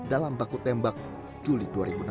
dalam baku tembak juli dua ribu enam belas